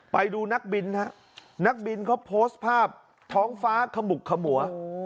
ไปดูนักบินฮะนักบินเขาโพสต์ภาพท้องฟ้าขมุกขมัว